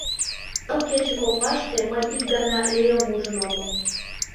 Ныл кече коклаште мый ик ганат Леом ужын омыл.